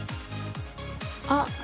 あっ！